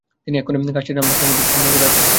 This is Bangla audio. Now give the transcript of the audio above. তিনি এক্ষণে কাশ্মীর, রামবাগ সমাধি, শ্রীনগরে আছেন।